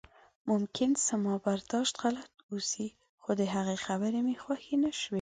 ممکن زما برداشت غلط اوسي خو د هغې خبرې مې خوښې نشوې.